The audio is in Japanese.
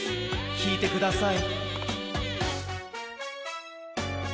きいてください。